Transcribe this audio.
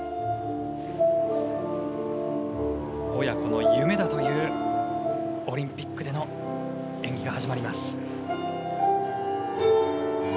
親子の夢だというオリンピックでの演技が始まります。